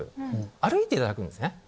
歩いていただくんですね。